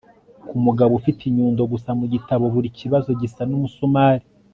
Ku mugabo ufite inyundo gusa mu gitabo buri kibazo gisa numusumari